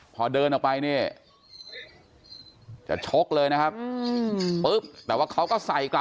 พอเดินออกไปเนี่ยจะชกเลยนะครับปุ๊บแต่ว่าเขาก็ใส่กลับ